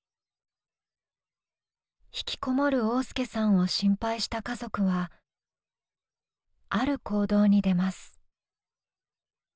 引きこもる旺亮さんを心配した家族はある行動に出ます。